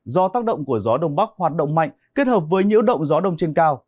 do tác động của gió đông bắc hoạt động mạnh kết hợp với nhiễu động gió đông trên cao